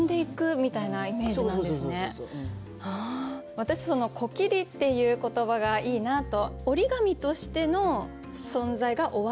私「こきり」っていう言葉がいいなと。